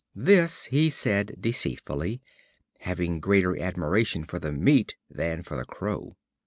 This he said deceitfully, having greater admiration for the meat than for the crow.